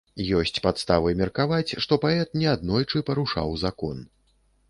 Ёсць падставы меркаваць, што паэт неаднойчы парушаў закон.